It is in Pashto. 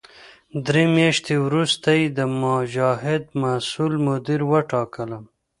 درې میاشتې وروسته یې د مجاهد مسوول مدیر وټاکلم.